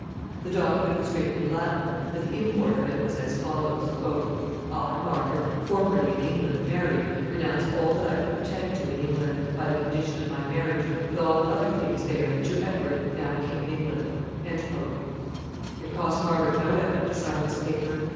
] The document was written in Latin, but the import of it was as follows: I, Margaret, formerly in England married, renounce all that I could pretend to in England, by the conditions of my marriage, with all other things there, to Edward, now King of England. [Sidenote: Feelings with which she signed it.] It cost Margaret no effort to sign this paper.